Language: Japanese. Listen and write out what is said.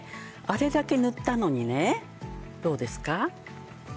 あれだけ塗ったのにねどうですか？